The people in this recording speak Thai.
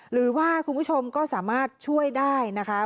หรือว่าคุณผู้ชมก็สามารถช่วยได้นะคะ